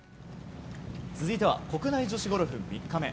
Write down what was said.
続いては国内女子ゴルフ３日目。